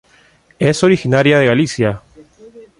Es originaria de Galicia.